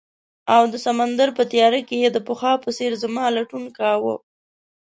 او د سمندر په تیاره کې یې د پخوا په څیر زما لټون کاؤه